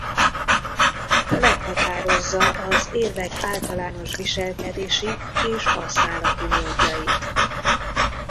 Meghatározza az érvek általános viselkedési és használati módjait.